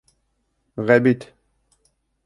Ғәбит